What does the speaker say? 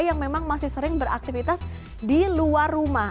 yang memang masih sering beraktivitas di luar rumah